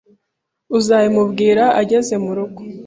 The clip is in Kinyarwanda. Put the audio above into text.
Uzabimubwira ageze murugo?